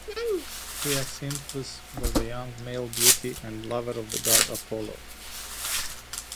Hyacinthus was a young male beauty and lover of the god Apollo.